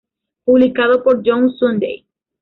Publicado por Young sunday.